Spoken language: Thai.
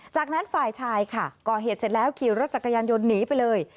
จากนั้นฝ่ายชายค่ะก่อเหตุเสร็จแล้วขี่รถจักรยานยนต์หนีไปเลย